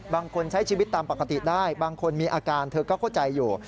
บางคนใช้ชีวิตตามปกติได้บางคนมีอาการเธอก็เข้าใจอยู่